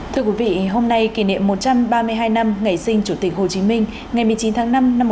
thưa quý vị hôm nay kỷ niệm một trăm ba mươi hai năm ngày sinh chủ tịch hồ chí minh ngày một mươi chín tháng năm năm một nghìn chín trăm bốn